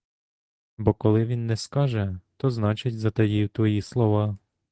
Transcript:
Бо, коли він не скаже, то, значить, затаїв твої слова.